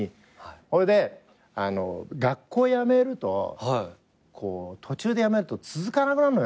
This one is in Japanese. それで学校辞めると途中で辞めると続かなくなんのよ